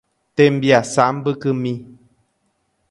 Tembiasa mbykymi.